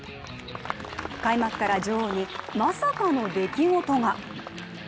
開幕から女王に、まさかの出来事が。